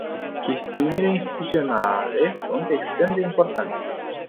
Chestiunile instituționale sunt extrem de importante.